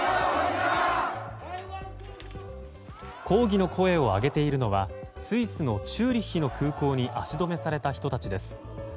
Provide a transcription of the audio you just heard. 抗議の声を上げているのはスイスのチューリヒの空港に足止めされた人たちです。